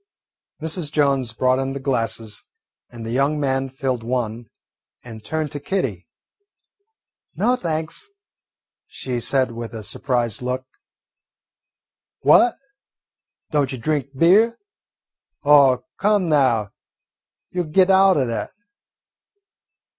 Mrs. Jones brought in the glasses, and the young man filled one and turned to Kitty. "No, thanks," she said with a surprised look. "What, don't you drink beer? Oh, come now, you 'll get out o' that."